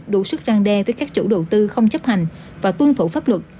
đủ sức răng đe với các chủ đầu tư không chấp hành và tuân thủ pháp luật